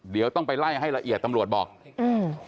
เดี๋ยวต้องไปไล่ให้ละเอียดตำรวจบอกอืม